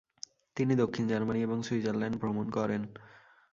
তিনি দক্ষিণ জার্মানি এবং সুইজারল্যান্ড ভ্রমণ করেন।